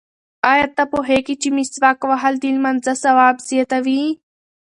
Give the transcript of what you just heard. ایا ته پوهېږې چې مسواک وهل د لمانځه ثواب زیاتوي؟